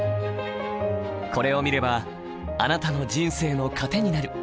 これを見ればあなたの人生の糧になる。